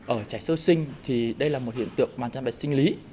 ở trẻ sơ sinh thì đây là một hiện tượng bàn chân bẹt sinh lý